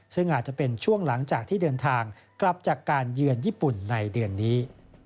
ซึ่งอาจจะเป็นช่วงหลังจากที่เดินทางกลับจากการเยือนญี่ปุ่นในเดือนนี้